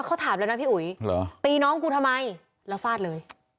เขาถามแล้วนะพี่อุ๋ยตีน้องกูทำไมแล้วฟาดเลย